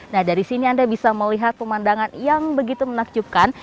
nah dari sini anda bisa melihat pemandangan yang begitu menakjubkan